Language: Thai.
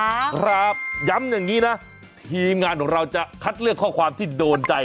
ครับย้ำอย่างนี้นะทีมงานของเราจะคัดเลือกข้อความที่โดนใจ